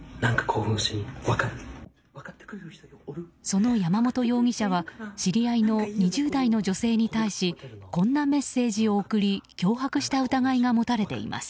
その山本容疑者は知り合いの２０代女性に対しこんなメッセージを送り脅迫した疑いが持たれています。